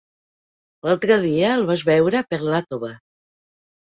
L'altre dia el vaig veure per Iàtova.